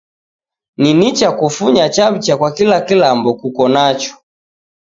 Ni nicha kufunya chaw'ucha kwa kila kilambo kuko nacho.